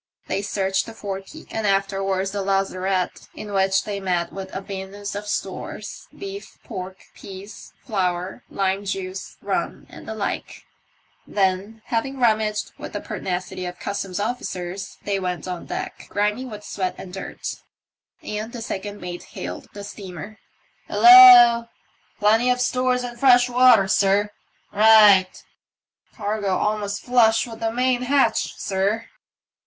They searched the fore peak and afterwards the lazaretto, in which they met with abundance of stores — beef, pork, peas, flour, lime juice, rum, and the like ; then, having rummaged with the pertinacity of Customs officers, they went on deck, grimy with sweat and dirt, and the second mate hailed . the steamer. Hilloh!" " Plenty of stores and fresh water, sir, THE MYSTERY OF TEE "^ OCEAN STARr 13 "Eight." Cargo almost flush with the main hatch, sir."